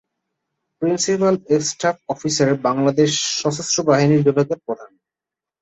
Principal staff officer Bangladesh সশস্ত্র বাহিনী বিভাগের প্রধান।